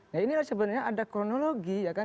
nah inilah sebenarnya ada kronologi ya kan